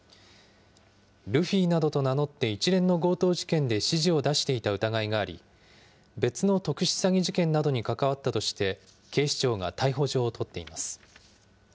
ルフィなどと名乗って、一連の強盗事件で指示を出していた疑いがあり、別の特殊詐欺事件などに関わったとして、警視庁が逮捕状を取っています。